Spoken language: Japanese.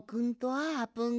あーぷん。